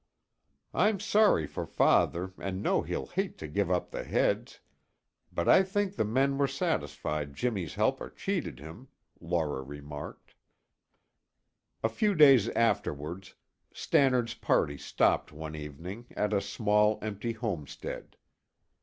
"I'm sorry for Father and know he'll hate to give up the heads; but I think the men were satisfied Jimmy's helper cheated him," Laura remarked. A few days afterwards, Stannard's party stopped one evening at a small, empty homestead.